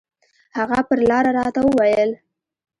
هغه پر لاره راته وويل.